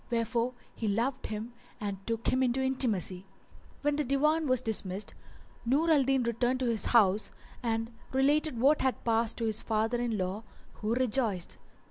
Wherefor he loved him and took him into intimacy. When the Divan was dismissed Nur al Din returned to his house and related what had passed to his father in law who rejoiced.